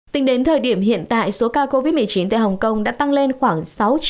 tính đến thời điểm hiện tại số ca covid một mươi chín tại hồng kông đã tăng lên khoảng sáu trăm linh ca